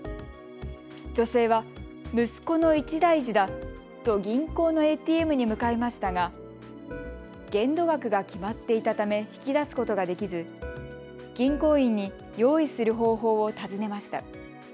女性は息子の一大事だと銀行のＡＴＭに向かいましたが、限度額が決まっていたため引き出すことができず銀行員に用意する方法を尋ねました。